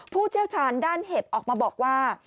ผู้เชี่ยวชาญด้านเห็บออกมาบอกว่า